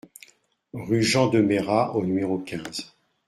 Rue Jean de Merat au numéro quinze